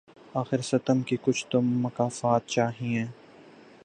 آخر ستم کی کچھ تو مکافات چاہیے